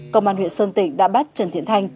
công an huyện sơn tịnh đã bắt trần thiện thanh